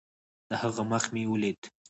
د هغه مخ مې وليد.